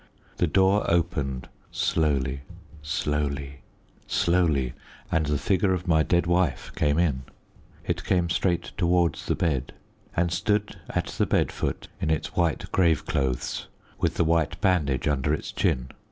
The door opened slowly, slowly, slowly, and the figure of my dead wife came in. It came straight towards the bed, and stood at the bed foot in its white grave clothes, with the white bandage under its chin.